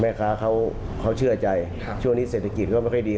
แม่ค้าเขาเชื่อใจช่วงนี้เศรษฐกิจก็ไม่ค่อยดี